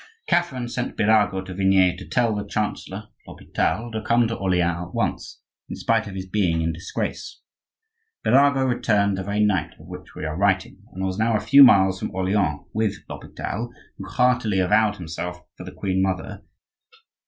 Catherine sent Birago to Vignay to tell the chancellor (l'Hopital) to come to Orleans at once, in spite of his being in disgrace. Birago returned the very night of which we are writing, and was now a few miles from Orleans with l'Hopital, who heartily avowed himself for the queen mother.